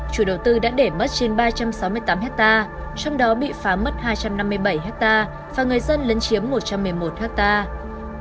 chủ đầu tư đã để mất trên ba trăm sáu mươi tám hectare trong đó bị phá mất hai trăm năm mươi bảy hectare và người dân lấn chiếm một trăm một mươi một hectare